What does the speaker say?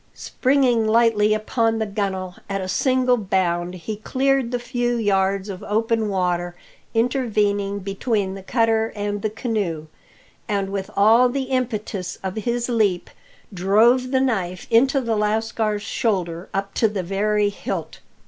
Springing lightly upon the gunle, at a single bound he cleared the few yards of open water intervening between the cutter and the canoe, and with all the impetus of his leap drove the knife into the lascar's shoulder up to the very hilt.